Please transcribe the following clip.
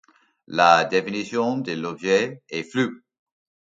La définition de l'objet est flou.